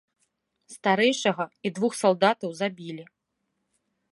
Старэйшага і двух салдатаў забілі.